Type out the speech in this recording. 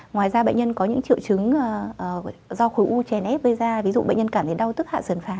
ngoài ra bệnh nhân có những triệu chứng do khối u chèn ép với da ví dụ bệnh nhân cảm thấy đau tức hạ sườn phải này